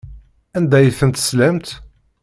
Anda ay tent-telsamt?